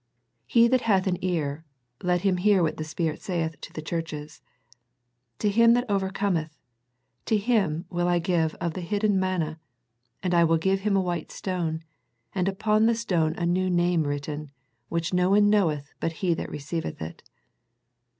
He that hath an ear, let him hear what the Spirit saith to the churches. To him that overcometh, to him will I give of the hidden manna, and I will give him a white stone, and upon the stone a new name written, which no one knoweth but he that receiveth it."